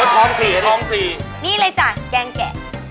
อ๋อทองสี่ค่ะนี่เลยจ้ะแกงแกะ